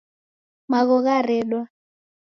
Magho gharedwa